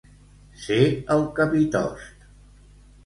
Ser el capitost.